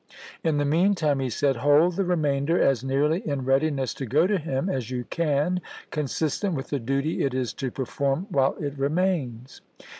" In the mean time," he said, " hold the remainder as nearly in readiness to go to him as you can, consistent with the duty it is to perform while it remains.